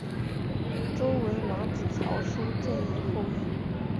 周文王子曹叔振铎后裔。